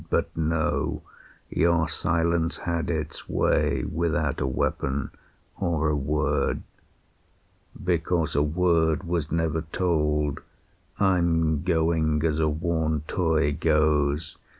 But no your silence had its way, Without a weapon or a word. "Because a word was never told, I'm going as a worn toy goes.